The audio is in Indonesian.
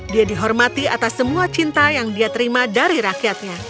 dia dihormati atas semua cinta yang dia terima dari rakyatnya